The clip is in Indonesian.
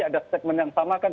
ada statement yang sama kan